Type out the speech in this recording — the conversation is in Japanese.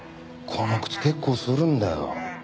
この靴結構するんだよ。